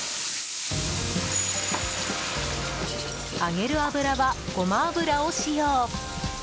揚げる油はゴマ油を使用。